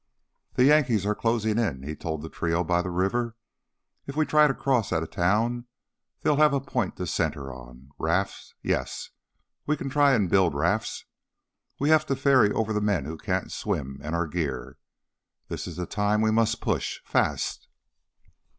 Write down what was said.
"The Yankees are closing in," he told the trio by the river. "If we try to cross at a town, they'll have a point to center on. Rafts, yes, we can try to build rafts have to ferry over the men who can't swim, and our gear. This is the time we must push fast."